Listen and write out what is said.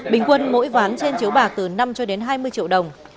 bình quân mỗi ván trên chiếu bạc từ năm cho đến hai mươi triệu đồng